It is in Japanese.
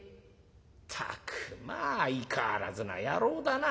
「ったくまあ相変わらずな野郎だな。